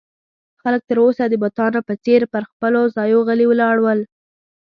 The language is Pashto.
خلک تر اوسه د بتانو په څېر پر خپلو ځایو غلي ولاړ ول.